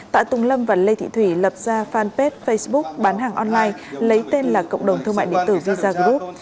tạ tùng lâm và lê thị thủy lập ra fanpage facebook bán hàng online lấy tên là cộng đồng thương mại điện tử visa group